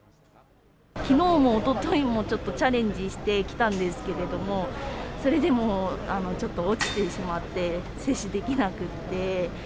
きのうも、おとといも、ちょっとチャレンジして来たんですけれども、それでもちょっと落ちてしまって、接種できなくて。